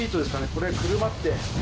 これくるまって。